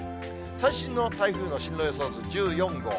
最新の台風の進路予想図、１４号。